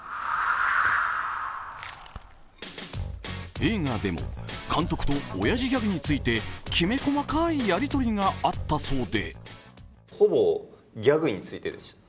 映画でも監督と親父ギャグについてきめ細かいやり取りがあったそうで。